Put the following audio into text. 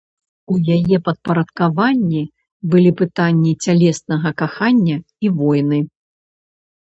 У яе падпарадкаванні былі пытанні цялеснага кахання і войны.